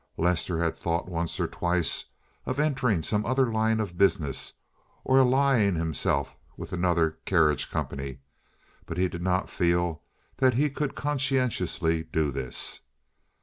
Lester had thought once or twice of entering some other line of business or of allying himself with another carriage company, but he did not feel that ha could conscientiously do this.